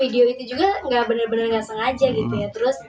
jadwal yang malu akan jatuh